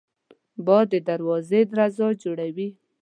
باد د دروازې درزا جوړوي